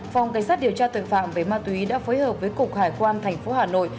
phòng cảnh sát điều tra tội phạm về ma túy đã phối hợp với cục hải quan thành phố hà nội